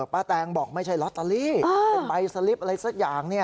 แตงบอกไม่ใช่ลอตเตอรี่เป็นใบสลิปอะไรสักอย่าง